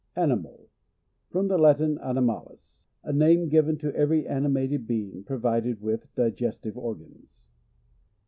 Animal. — From the Latin, animalis — a name given to every animated be ing provided with digestive organs.